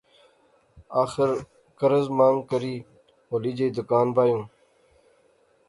آخر قرض مانگ کری ہولی جئی دکان بائیوں